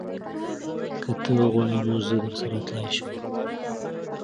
که ته وغواړې نو زه درسره تلی شم.